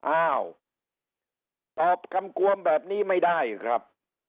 อ้าวตอบคำกวมแบบนี้ไม่ได้ครับ